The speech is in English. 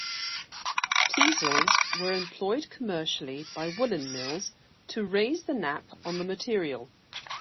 Teasels were employed commercially by woolen mills to raise the nap on the material.